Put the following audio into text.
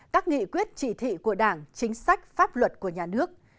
các nghị quyết chỉ thị của đảng chính sách pháp luật của nhà nước